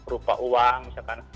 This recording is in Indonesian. rupa uang misalkan